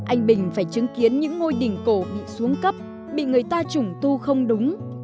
anh bình phải chứng kiến những ngôi đình cổ bị xuống cấp bị người ta trùng tu không đúng